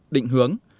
một định hướng